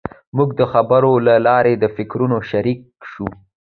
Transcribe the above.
موږ د خبرو له لارې د فکرونو شریک شوو.